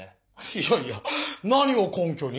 いやいや何を根きょに？